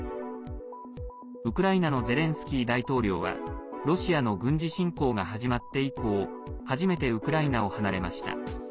ウクライナのゼレンスキー大統領はロシアの軍事侵攻が始まって以降初めてウクライナを離れました。